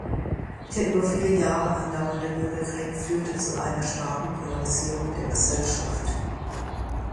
Der über viele Jahre andauernde Bürgerkrieg führte zu einer starken Polarisierung der Gesellschaft.